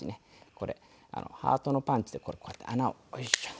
これハートのパンチでこうやって穴をよいしょっと。